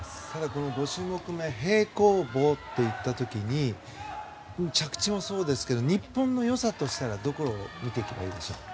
この５種目め平行棒といった時に着地もそうですけど日本の良さとしたらどこを見ていけばいいでしょうか。